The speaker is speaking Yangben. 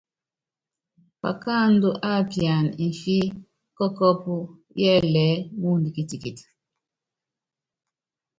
Pakáandú á piana mfí kɔ́kɔ́ɔ́pú yɛ́lɛɛ́ muundɔ kitikiti.